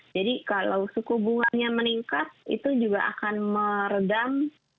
jadi kalau suku bunganya meningkat itu juga akan meredam